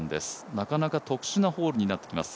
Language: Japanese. なかなか特殊なホールになってきます